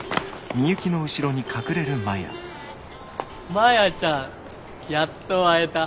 マヤちゃんやっと会えた。